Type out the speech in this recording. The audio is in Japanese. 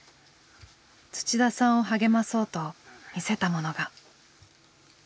土田さんを励まそうと見せたものが。